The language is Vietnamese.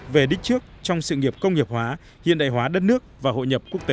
về đích trước trong sự nghiệp công nghiệp hóa hiện đại hóa đất nước và hội nhập quốc tế